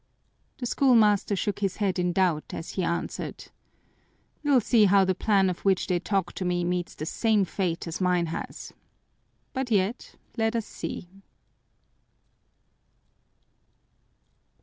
The schoolmaster shook his head in doubt as he answered: "You'll see how the plan of which they talked to me meets the same fate as mine has. But yet, let us see!"